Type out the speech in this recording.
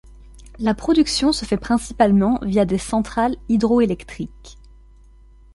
La production se fait principalement via des centrales hydroélectriques.